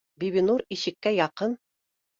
— Бибинур ишеккә яҡын